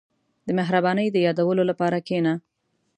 • د مهربانۍ د یادولو لپاره کښېنه.